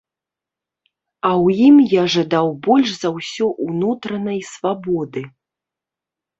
А ў ім я жадаў больш за ўсё унутранай свабоды.